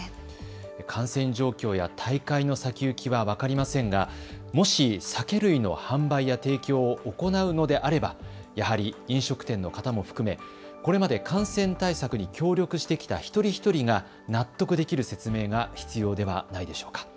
感染状況や大会の先行きは分かりませんが、もし酒類の販売や提供を行うのであればやはり飲食店の方も含めこれまで感染対策に協力してきた一人一人が納得できる説明が必要ではないでしょうか。